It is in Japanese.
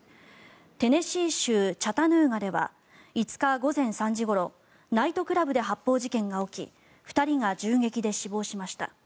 テネシー州チャタヌーガでは５日午前３時ごろナイトクラブで発砲事件が起き２人が銃撃で死亡しました。